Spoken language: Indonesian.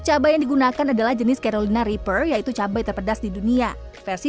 cabai yang digunakan adalah jenis carolina riper yaitu cabai terpedas di dunia versi